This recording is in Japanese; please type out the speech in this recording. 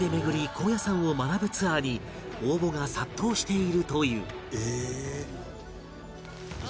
高野山を学ぶツアーに応募が殺到しているという